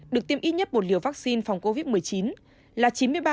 được tiêm ít nhất một liều vaccine phòng covid một mươi chín là chín mươi ba